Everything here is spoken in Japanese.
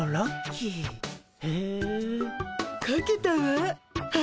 かけたわ。